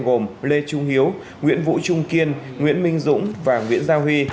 gồm lê trung hiếu nguyễn vũ trung kiên nguyễn minh dũng và nguyễn gia huy